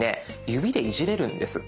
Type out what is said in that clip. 指でいじれるんです。